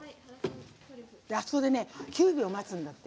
あそこで９秒待つんだって。